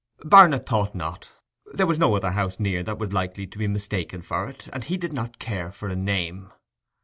Barnet thought not. There was no other house near that was likely to be mistaken for it. And he did not care for a name.